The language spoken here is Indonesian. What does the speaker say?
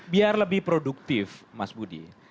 biar lebih produktif mas budi